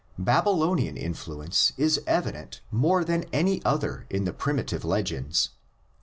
Babylonian influence is evident more than any other in the primitive legends.